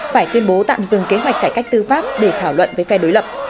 phải tuyên bố tạm dừng kế hoạch cải cách tư pháp để thảo luận với phe đối lập